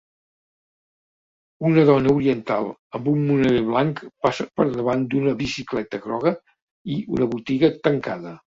Una dona oriental amb un moneder blanc passa per davant d'una bicicleta groga i una botiga tancada.